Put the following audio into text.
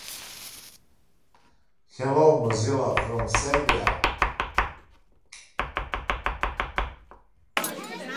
They were either press-ganged into the Soviet Army, sent to the Gulag, or executed.